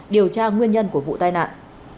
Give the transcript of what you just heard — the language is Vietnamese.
điều tra nguyên nhân của vụ tai nạn